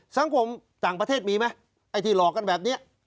สังคมต่างประเทศมีไหมไอ้ที่หลอกกันแบบนี้